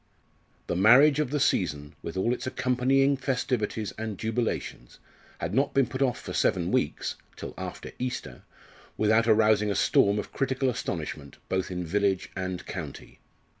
The marriage of the season, with all its accompanying festivities and jubilations, had not been put off for seven weeks till after Easter without arousing a storm of critical astonishment both in village and county.